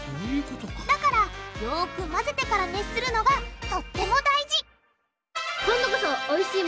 だからよく混ぜてから熱するのがとっても大事！